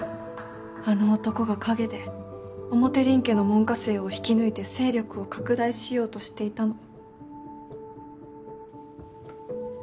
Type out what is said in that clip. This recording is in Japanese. あの男が陰で表林家の門下生を引き抜いて勢力を拡大しようとしていたのを。